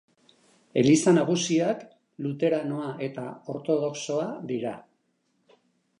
Eliza nagusiak luteranoa eta ortodoxoa dira.